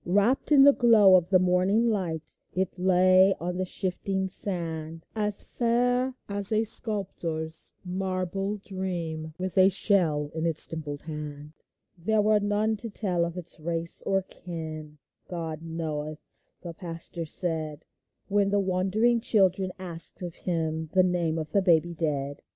Wrapped in the glow of the morning light, It lay on the shifting sand, As fair as a sculptor's marble dream, With a shell in its dimpled hand. There were none to tell of its race or kin. " God knoweth," the pastor said, When the wondering children asked of him The name of the baby dead.